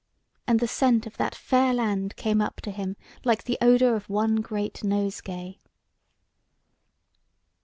And the scent of that fair land came up to him like the odour of one great nosegay.